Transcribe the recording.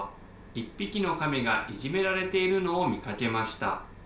「１ぴきのカメがいじめられているのをみかけました」。